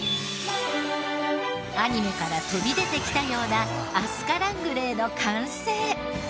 アニメから飛び出てきたようなアスカ・ラングレーの完成。